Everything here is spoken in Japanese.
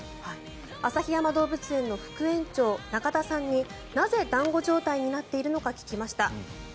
旭山動物園の副園長中田さんになぜ、団子状態になっているのか聞きました。